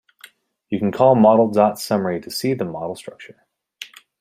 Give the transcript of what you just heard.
You can call model dot summary to see the model structure.